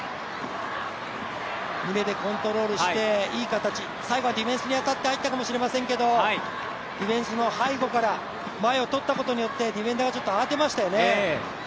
胸でコントロールしていい形、最後はディフェンスに当たってゴールしましたけど、ディフェンスの背後から前を取ったことによってディフェンダーが慌てましたよね。